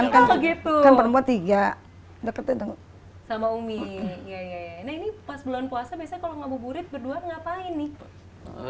nah ini pas bulan puasa kalau ngabur burit berdua ngapain nih